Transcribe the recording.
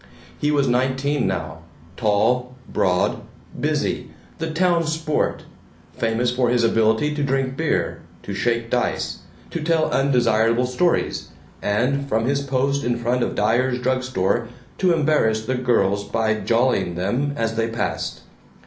He was nineteen now, tall, broad, busy, the "town sport," famous for his ability to drink beer, to shake dice, to tell undesirable stories, and, from his post in front of Dyer's drug store, to embarrass the girls by "jollying" them as they passed.